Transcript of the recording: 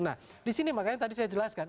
nah disini makanya tadi saya jelaskan